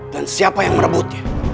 dan siapa yang merebutnya